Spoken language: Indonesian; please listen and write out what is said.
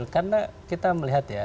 karena kita melihat ya